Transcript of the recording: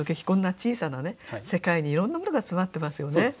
こんな小さな世界にいろんなものが詰まってますよね。